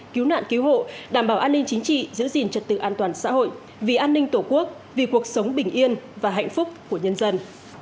cứu nạn cứu hộ đảm bảo an ninh chính trị giữ gìn trật tự an toàn xã hội vì an ninh tổ quốc vì cuộc sống bình yên và hạnh phúc của nhân dân